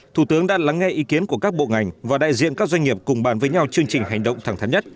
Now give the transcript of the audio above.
thủ tướng đã lắng nghe ý kiến của các bộ ngành và đại diện các doanh nghiệp cùng bàn với nhau chương trình hành động thẳng thắn nhất